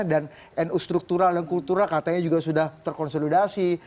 dan nu struktural dan kultural katanya juga sudah terkonsolidasi